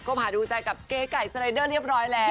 บหาดูใจกับเก๋ไก่สไลเดอร์เรียบร้อยแล้ว